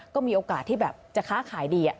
ก็มีโอกาสที่แบบจะค้าขายดี